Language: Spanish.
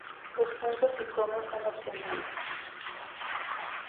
Los puntos y coma son opcionales.